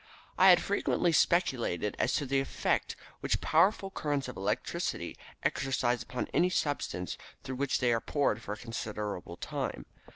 I had frequently speculated as to the effect which powerful currents of electricity exercise upon any substance through which they are poured for a considerable time.